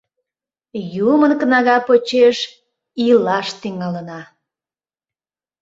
Юмын кнага почеш илаш тӱҥалына...